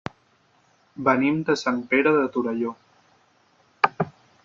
Venim de Sant Pere de Torelló.